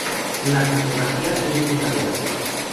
La topografía es muy variada.